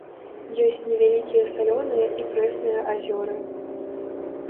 Ёсць невялікія салёныя і прэсныя азёры.